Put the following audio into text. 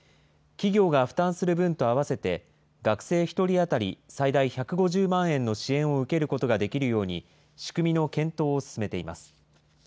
企業が負担する分と合わせて、学生１人当たり最大１５０万円の支援を受けることができるように、仕組みの検討を進めています。